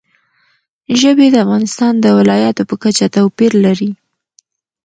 ژبې د افغانستان د ولایاتو په کچه توپیر لري.